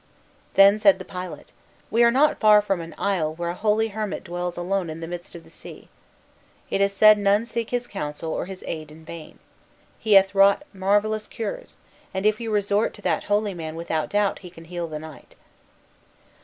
Then said the pilot, "We are not far from an isle where a holy hermit dwells alone in the midst of the sea. It is said none seek his counsel or his aid in vain. He hath wrought marvellous cures, and if you resort to that holy man without doubt he can heal the knight."